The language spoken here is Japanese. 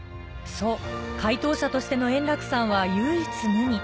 そう、回答者としての円楽さんは唯一無二。